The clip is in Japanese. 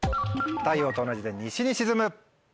「太陽と同じで西にしずむ」。